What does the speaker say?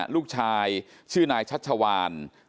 ลูกชายชื่อนายชัชวาน